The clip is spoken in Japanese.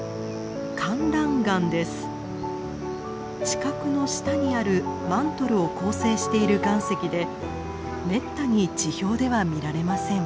地殻の下にあるマントルを構成している岩石でめったに地表では見られません。